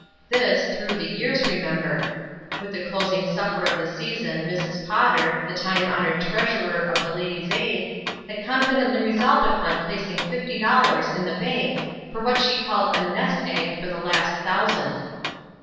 This, through the years, remember. With the closing supper of the season Mrs. Potter, the time THE ''NEST EGG" 365 honored treasurer of the Ladies* Aid, had con fidently resolved upon placing fifty dollars in the bank for what she called a "nest egg" for the last thousand.